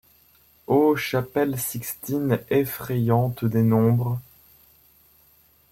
O chapelle Sixtine effrayante des nombres